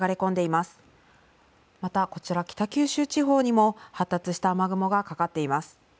またこちら北九州地方にも発達した雨雲がかかっています。